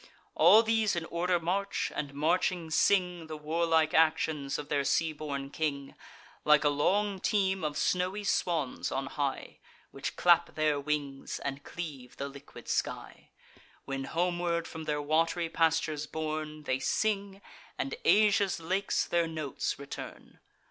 All these in order march, and marching sing The warlike actions of their sea born king; Like a long team of snowy swans on high, Which clap their wings, and cleave the liquid sky, When, homeward from their wat'ry pastures borne, They sing, and Asia's lakes their notes return.